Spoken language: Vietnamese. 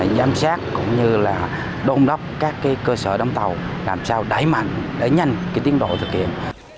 giám sát cũng như là đôn đốc các cái cơ sở đóng tàu làm sao đáy mạnh đáy nhanh cái tiến độ thực hiện